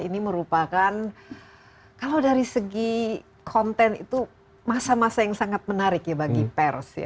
ini merupakan kalau dari segi konten itu masa masa yang sangat menarik ya bagi pers